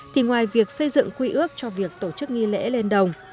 thì ngoài việc xây dựng quy ước cho việc tổ chức nghi lễ lên đồng